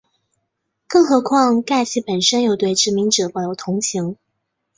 更何况盖奇本身又对殖民者抱有同情。